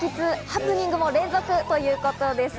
ハプニングも連続ということです。